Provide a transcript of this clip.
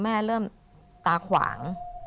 เริ่มตาขวาง